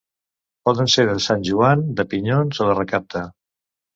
Poden ser de sant Joan, de pinyons o de recapta.